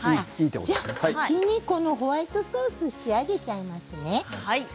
先にホワイトソースを仕上げちゃいますね。